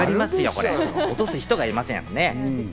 落とす人がいませんよ。